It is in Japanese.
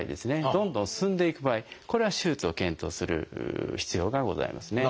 どんどん進んでいく場合これは手術を検討する必要がございますね。